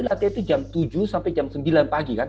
latihan itu jam tujuh sampai jam sembilan pagi kan